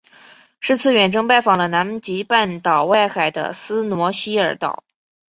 是次远征拜访了南极半岛外海的斯诺希尔岛。